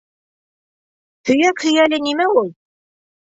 Һөйәк һөйәле нимә ул?